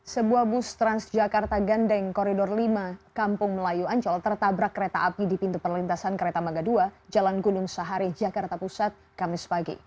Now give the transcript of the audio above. sebuah bus transjakarta gandeng koridor lima kampung melayu ancol tertabrak kereta api di pintu perlintasan kereta maga ii jalan gunung sahari jakarta pusat kamis pagi